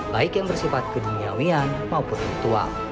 baik yang bersifat kejumiawian maupun ritual